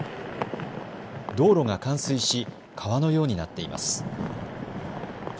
道路が冠水し川のようになっています。